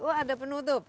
oh ada penutup